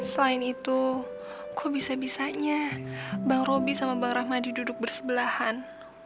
selain itu kok bisa bisanya bang roby sama bang rahmadi duduk bersebelahan